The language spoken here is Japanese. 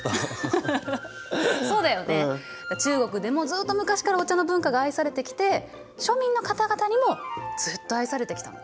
中国でもずっと昔からお茶の文化が愛されてきて庶民の方々にもずっと愛されてきたの。